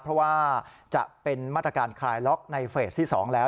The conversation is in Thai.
เพราะว่าจะเป็นมาตรการคลายล็อกในเฟสที่๒แล้ว